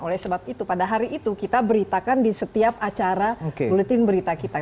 oleh sebab itu pada hari itu kita beritakan di setiap acara buletin berita kita